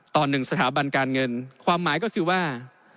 ต่อหนึ่งสถาบันการเงินความหมายก็คือว่า